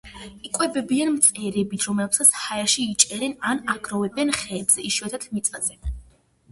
იკვებებიან მწერებით, რომლებსაც ჰაერში იჭერენ ან აგროვებენ ხეებზე, იშვიათად მიწაზე.